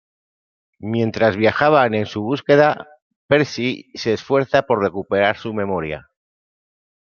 Mientras viajaban en su búsqueda, Percy se esfuerza por recuperar su memoria.